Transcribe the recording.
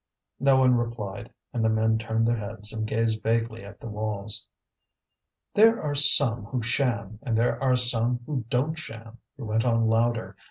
No one replied, and the men turned their heads and gazed vaguely at the walls. "There are some who sham, and there are some who don't sham," he went on louder.